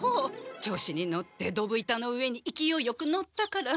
調子に乗って溝板の上にいきおいよく乗ったから。